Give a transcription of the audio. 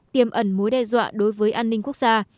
tiềm ẩn mối đe dọa đối với an ninh quốc gia